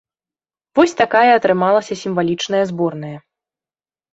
Вось такая атрымалася сімвалічная зборная.